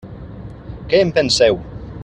Què en penseu?